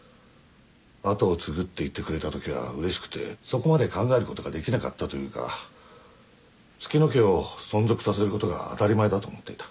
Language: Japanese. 跡を継ぐって言ってくれたときはうれしくてそこまで考えることができなかったというか月乃家を存続させることが当たり前だと思っていた。